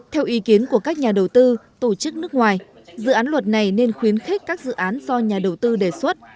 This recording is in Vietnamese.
theo ý kiến của các nhà đầu tư tổ chức nước ngoài dự án luật này nên khuyến khích các dự án do nhà đầu tư đề xuất